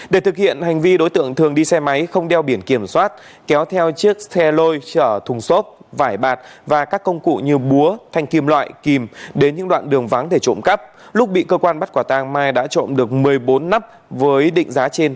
để thực hiện hành vi đối tượng thường đi xe máy không đeo biển kiểm soát kéo theo chiếc xe lôi trở thùng xốp vải bạt và các công cụ như búa thanh kim loại kim đến những đoạn đường vắng để trộm cắp lúc bị cơ quan bắt quả tàng mai đã trộm được một mươi bốn nắp với định giá trên hai mươi hai triệu đồng